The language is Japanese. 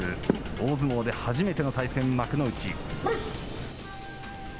大相撲で初めての対戦、幕内。